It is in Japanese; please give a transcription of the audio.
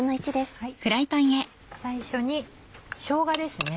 最初にしょうがですね